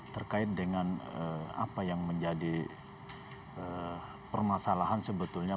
terkait dengan apa yang menjadi permasalahan sebetulnya